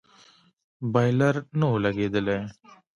بايلر نه و لگېدلى.